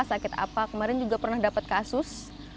sakit apa kemarin juga pernah dapat kasus